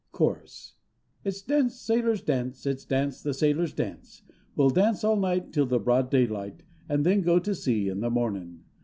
Chorus. It's dance, sailors, dance! It's dance, the sailors, dance! We'll dance all night till the broad daylight, And then go to sea in the mornin'!